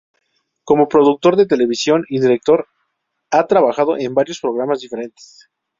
Como productor de televisión y director, ha trabajado en varios programas diferentes.